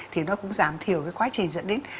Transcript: thì nó cũng giảm thiểu cái quá trình dẫn đến